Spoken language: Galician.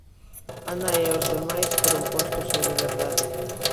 A nai e os demais foron postos en liberdade.